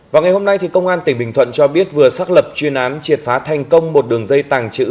vào ngày hôm nay công an tỉnh bình thuận cho biết vừa xác lập chuyên án triệt phá thành công một đường dây tàng trữ